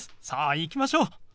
さあ行きましょう。